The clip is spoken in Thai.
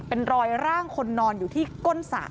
เป็นรอยร่างคนนอนอยู่ที่ก้นสระ